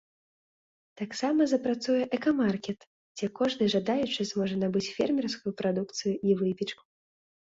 Таксама запрацуе экамаркет, дзе кожны жадаючы зможа набыць фермерскую прадукцыю і выпечку.